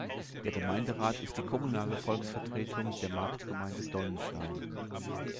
Der Gemeinderat ist die kommunale Volksvertretung der Marktgemeinde Dollnstein.